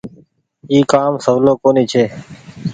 اي ڪآ م سولو ڪونيٚ ڇي ۔